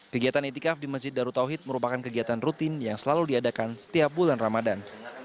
kegiatan itikaf di masjid darutauhid merupakan kegiatan rutin yang selalu diadakan setiap bulan ramadan